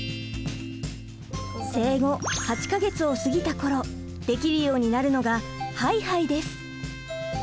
生後８か月を過ぎた頃できるようになるのが「はいはい」です。